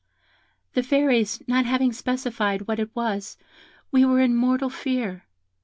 The Fairies not having specified what it was, we were in mortal fear.